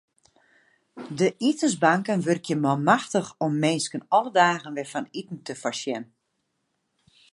De itensbanken wurkje manmachtich om minsken alle dagen wer fan iten te foarsjen.